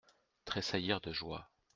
Tressaillir de joie.